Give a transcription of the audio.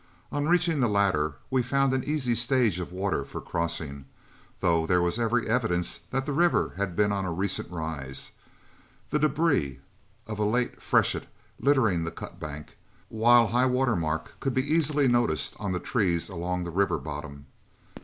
On reaching the latter, we found an easy stage of water for crossing, though there was every evidence that the river had been on a recent rise, the débris of a late freshet littering the cutbank, while high water mark could be easily noticed on the trees along the river bottom.